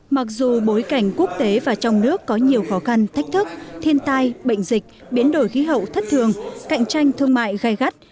mặc dù bối cảnh quốc tế và trong nước có nhiều khó khăn thách thức thiên tai bệnh dịch biến đổi khí hậu thất thường cạnh tranh thương mại gai gắt